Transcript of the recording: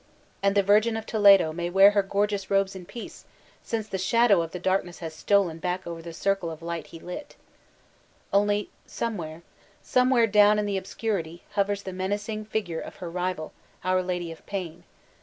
And the Virgin of Toledo may wear her gorgeous robes in peace, since the shadow of the darkness has stolen back over the circle of light he lit Only, — somewhere, somewhere, down in the obscur ity — hovers the menacing figure of her rival, "Our Lady of Pain."